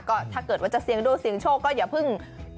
ก็ถ้าเกิดว่าจะเสียงดูเสียงโชคก็อย่าเพิ่ง